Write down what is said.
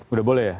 udah boleh ya